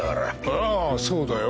ああそうだよ。